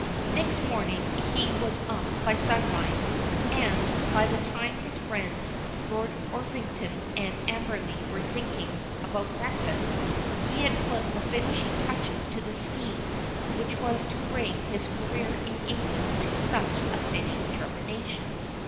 Next morning he was up by sunrise, and, by the time his friends Lords Orpington and Amberley were thinking about breakfast, had put the finishing touches to the scheme which was to bring his career in England to such a fitting termination.